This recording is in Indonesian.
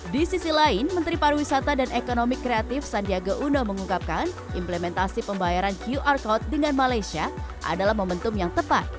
di sisi lain menteri pariwisata dan ekonomi kreatif sandiaga uno mengungkapkan implementasi pembayaran qr code dengan malaysia adalah momentum yang tepat